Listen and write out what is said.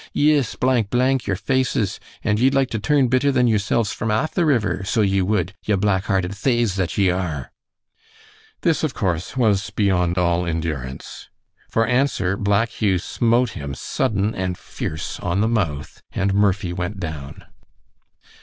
"Yis, blank, blank, yir faces, an' ye'd like to turn better than yirsilves from aff the river, so ye wud, ye black hearted thaves that ye are." This, of course, was beyond all endurance. For answer Black Hugh smote him sudden and fierce on the mouth, and Murphy went down.